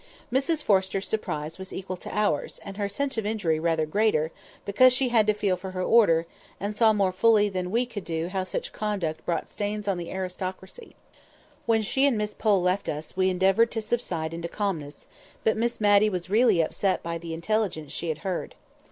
Mrs Forrester's surprise was equal to ours; and her sense of injury rather greater, because she had to feel for her Order, and saw more fully than we could do how such conduct brought stains on the aristocracy. When she and Miss Pole left us we endeavoured to subside into calmness; but Miss Matty was really upset by the intelligence she had heard.